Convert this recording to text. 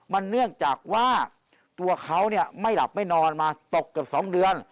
มันเนื่องจากว่าตัวเขาเนี่ยไม่หลับไม่นอนมาตกกับสองเดือน